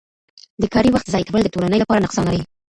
د کاري وخت ضایع کول د ټولنې لپاره نقصان لري.